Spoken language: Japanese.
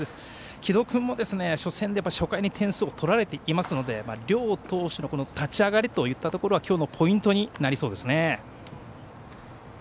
城戸君も初戦で初回に点を取られていますので両投手の立ち上がりが今日のポイントになりそうですね。